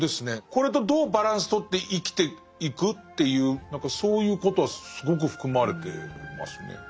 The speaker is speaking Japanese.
これとどうバランス取って生きていく？っていう何かそういうことはすごく含まれてますね。